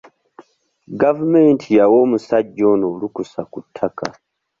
Gavumenti yawa omusajja ono olukusa ku ttaka.